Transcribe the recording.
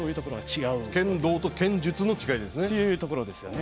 剣道と剣術の違いですね。